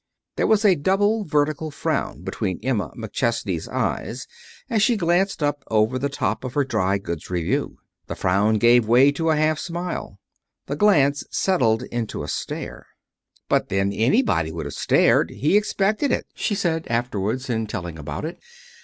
There was a double vertical frown between Emma McChesney's eyes as she glanced up over the top of her Dry Goods Review. The frown gave way to a half smile. The glance settled into a stare. "But then, anybody would have stared. He expected it," she said, afterwards, in telling about it.